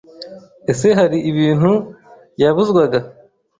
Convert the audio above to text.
Ese hari ibintu yabuzwaga?